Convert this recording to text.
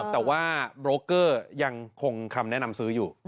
แต่ว่าโบรกเกอร์ยังคงคำแนะนำซื้ออยู่